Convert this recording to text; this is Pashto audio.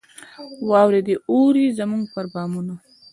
واوري دي اوري زموږ پر بامونو